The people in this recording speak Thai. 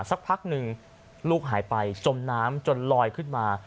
สักพักหนึ่งลูกหายไปจมน้ำจนลอยขึ้นมา